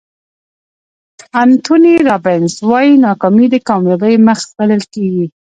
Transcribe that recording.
انتوني رابینز وایي ناکامي د کامیابۍ مخ بلل کېږي.